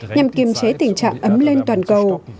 nhằm kiềm chế tình trạng ấm lên toàn cầu